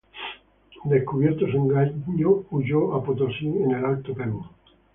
Descubierto su engaño, huyó a Potosí en el Alto Perú.